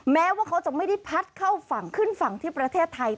แม้ว่าเขาจะไม่ได้พัดเข้าฝั่งขึ้นฝั่งที่ประเทศไทย